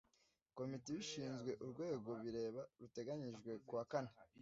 komite ibishinzwe urwego bireba ruteganyijwe kuwa kane